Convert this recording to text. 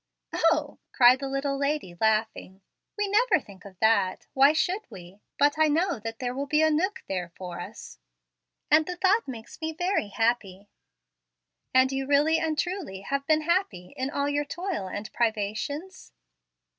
"Oh!" cried the little lady, laughing. "We never think of that. Why should we? But I know there will be a nook there for us, and the thought makes me very happy." "And you really and truly have been happy in all your toil and privations?"